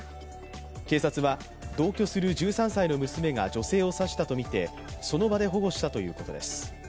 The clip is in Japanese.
警察は同居する１３歳の娘が女性を刺したとみてその場で保護したということです。